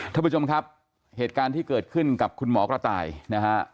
ท่านผู้ชมครับเหตุการณ์ที่เกิดขึ้นกับคุณหมอกระต่ายนะฮะ